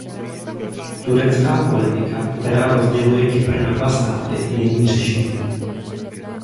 Turecká politika, která rozděluje Kypr na dva státy, není řešením.